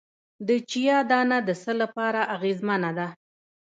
د چیا دانه د څه لپاره اغیزمنه ده؟